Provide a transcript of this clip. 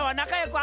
あ。